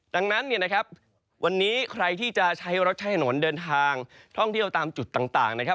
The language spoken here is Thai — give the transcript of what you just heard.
ดังนั้นเนี่ยนะครับวันนี้ใครที่จะใช้รถใช้ถนนเดินทางท่องเที่ยวตามจุดต่างนะครับ